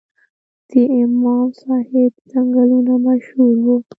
د امام صاحب ځنګلونه مشهور وو